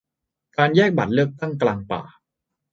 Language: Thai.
การแยกบัตรเลือกตั้งกลางป่า